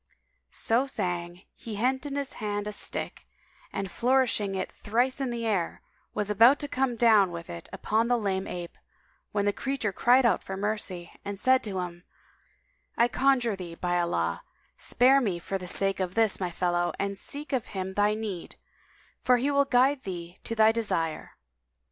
So saying, he hent in hand a stick [FN#190] and flourishing it thrice in the air, was about to come down with it upon the lame ape, when the creature cried out for mercy and said to him, "I conjure thee, by Allah, spare me for the sake of this my fellow and seek of him thy need; for he will guide thee to thy desire!"